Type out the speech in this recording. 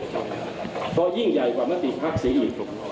เพราะยิ่งใหญ่กว่ามัตติภักษ์เสียอีก